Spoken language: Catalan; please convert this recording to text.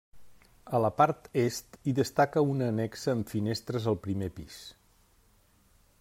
A la part est hi destaca una annexa amb finestres el primer pis.